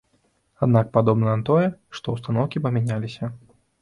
Аднак падобна на тое, што ўстаноўкі памяняліся.